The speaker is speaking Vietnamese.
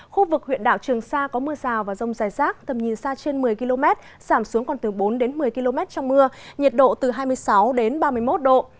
khu vực huyện đảo trường sa có mưa rào và rông dài rác tầm nhìn xa trên một mươi km giảm xuống còn từ bốn đến một mươi km trong mưa nhiệt độ từ hai mươi sáu đến ba mươi một độ